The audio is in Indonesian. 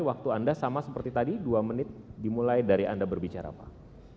waktu anda sama seperti tadi dua menit dimulai dari anda berbicara pak